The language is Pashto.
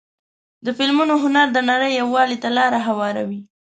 د فلمونو هنر د نړۍ یووالي ته لاره هواروي.